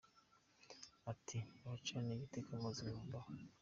Ati ” Abacantege iteka mu buzima babaho.